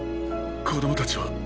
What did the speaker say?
子供たちは？